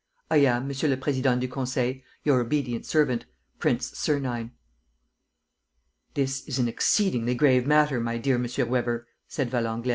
"I am, Monsieur le Président du Conseil, "Your obedient servant, "PRINCE SERNINE." "This is an exceedingly grave matter, my dear M. Weber," said Valenglay.